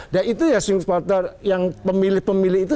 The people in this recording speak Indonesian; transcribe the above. dan itu ya simpul terang pemilih pemilih itu